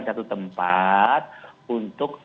satu tempat untuk